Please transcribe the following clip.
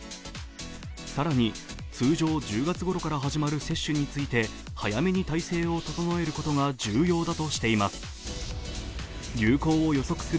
更に、通常１０月ごろから始まる接種について早めに体制を整えることが重要だとしています。